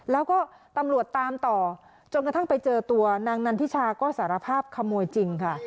แล้วก็ตำรวจตามต่อจนกระทั่งไปเจอตัวนางนันทิชาก็สารภาพขโมยจริงค่ะ